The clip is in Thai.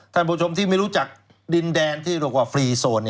ท่านผู้ชมที่ไม่รู้จักดินแดนที่เรียกว่าฟรีโซน